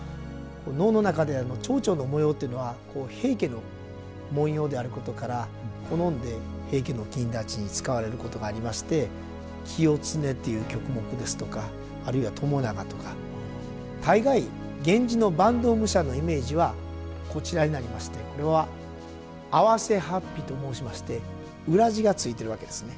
能の中では蝶々の模様というのは平家の文様であることから好んで平家の公達に使われることがありまして「清経」という曲目ですとかあるいは「朝長」とか大概源氏の坂東武者のイメージはこちらになりましてこれは袷法被と申しまして裏地が付いてるわけですね。